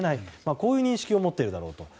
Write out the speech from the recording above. こういう認識を持っているだろうと。